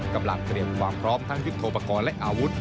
กำลังเตรียบความพร้อมทั้งยุทธโดประคอลและอาวุธ